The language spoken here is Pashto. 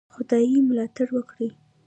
خدای ملاتړ وکړی.